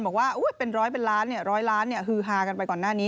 บอกว่าเป็นร้อยเป็นล้านร้อยล้านฮือฮากันไปก่อนหน้านี้